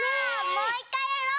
もういっかいやろう。